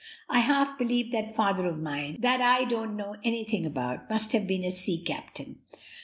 I half believe that father of mine, that I don't know anything about, must have been a sea captain.